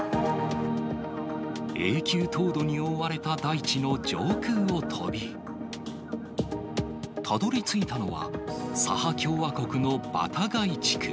永久凍土に覆われた大地の上空を飛び、たどりついたのは、サハ共和国のバタガイ地区。